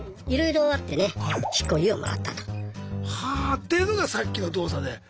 っていうのがさっきの動作で。